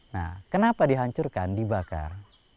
nah kenapa dihancurkan dibakar